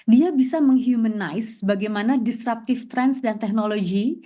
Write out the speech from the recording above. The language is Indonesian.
dia bisa menghumanize bagaimana disruptive trends dan teknologi